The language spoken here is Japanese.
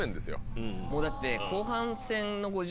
もうだって。